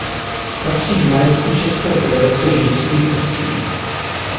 Patří k majetku české Federace židovských obcí.